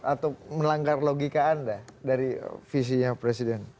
atau melanggar logika anda dari visinya presiden